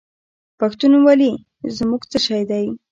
پښتونولي زموږ څه شی دی؟